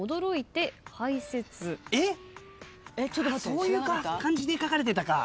そういう感じで書かれてたか。